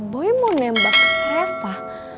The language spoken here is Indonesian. boy mau nembak reva